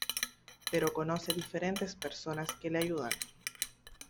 Pero conoce diferentes personas que le ayudan.